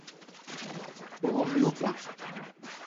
homlupa